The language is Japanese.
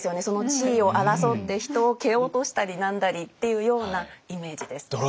その地位を争って人を蹴落としたり何だりっていうようなイメージです。